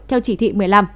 theo chỉ thị một mươi năm